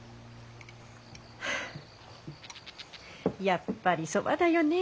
やっぱりそばだよね。